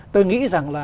tôi nghĩ rằng là